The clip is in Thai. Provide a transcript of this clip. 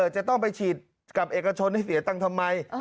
จะต้องไปฉีดกับเอกชนให้เสียตังค์ทำไม